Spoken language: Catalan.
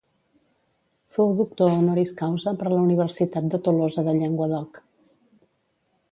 Fou doctor honoris causa per la Universitat de Tolosa de Llenguadoc.